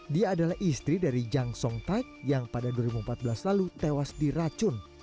dia adalah istri dari jang song tak yang pada dua ribu empat belas lalu tewas diracun